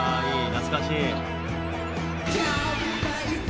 懐かしい。